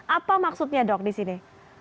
apa maksudnya dok di sini